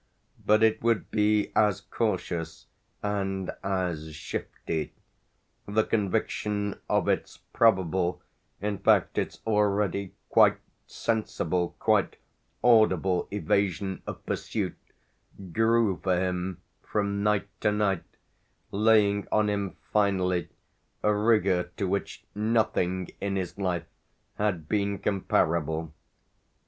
But it would be as cautious and as shifty; the conviction of its probable, in fact its already quite sensible, quite audible evasion of pursuit grew for him from night to night, laying on him finally a rigour to which nothing in his life had been comparable.